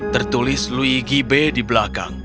tertulis luigi b di belakang